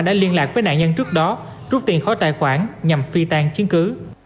đã liên lạc với nạn nhân trước đó rút tiền khóa tài khoản nhằm phi tan chiến cứ